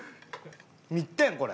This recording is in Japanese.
見てこれ。